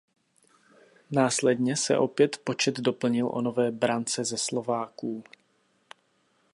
Následně se opět počet doplnil o nové brance ze Slováků.